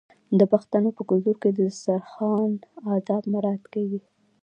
د پښتنو په کلتور کې د دسترخان اداب مراعات کیږي.